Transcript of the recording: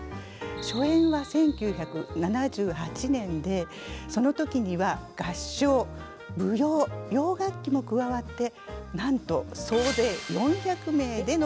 初演は１９７８年でその時には合唱舞踊洋楽器も加わってなんと総勢４００名での上演でした。